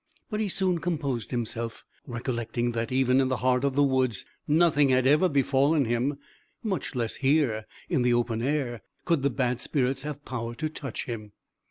But he soon composed himself, recollecting that even in the heart of the woods nothing had ever befallen him; much less here, in the open air, could the bad spirits have power to touch him.